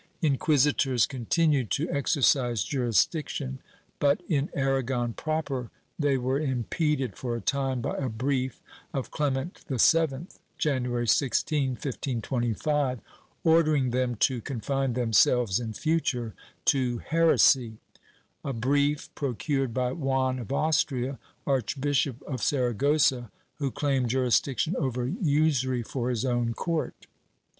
^ Inquisitors continued to exercise juris diction, but, in Aragon proper, they were impeded for a time by a brief of Clement VII, January 16, 1525, ordering them to con fine themselves in future to heresy — a brief procured by Juan of Austria, Archbishop of Saragossa, who claimed jurisdiction over usury for his own court.